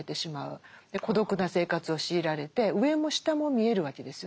孤独な生活を強いられて上も下も見えるわけですよね。